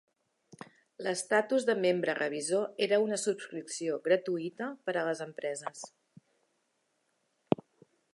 L'estatus de "membre revisor" era una subscripció gratuïta per a les empreses.